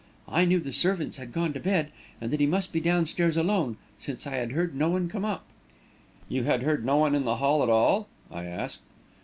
I knew the servants had gone to bed, and that he must be downstairs alone, since I had heard no one come up." "You had heard no one in the hall at all?" I asked.